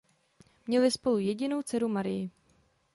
Měli spolu jedinou dceru Marii.